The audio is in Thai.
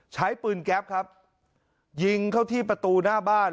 ใช้ปืนแก๊ปครับยิงเข้าที่ประตูหน้าบ้าน